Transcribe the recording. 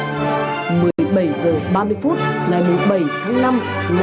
một mươi bảy h ba mươi phút ngày một mươi bảy tháng năm năm một nghìn chín trăm năm mươi bốn